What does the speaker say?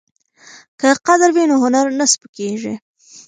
که قدر وي نو هنر نه سپکیږي.